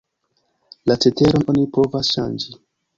La ceteron oni povas ŝanĝi.